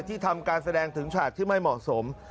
ที่ทำการแสดงถึงฉากที่ไม่เหมาะสม